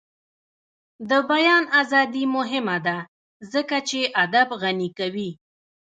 د بیان ازادي مهمه ده ځکه چې ادب غني کوي.